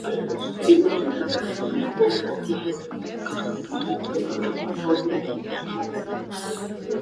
Ֆիլմի ընթացքում երիտասարդի հետ գլխապտույտ արկածներ են տեղի ունենում։